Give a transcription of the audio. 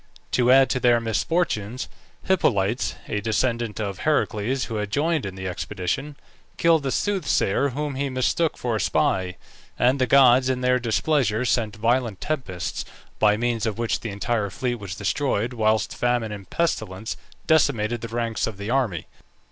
To add to their misfortunes, Hippolytes, a descendant of Heracles, who had joined in the expedition, killed a soothsayer whom he mistook for a spy, and the gods, in their displeasure, sent violent tempests, by means of which the entire fleet was destroyed, whilst famine and pestilence decimated the ranks of the army.